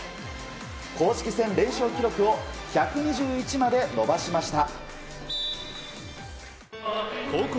公式戦連勝記録を１２１まで伸ばしました。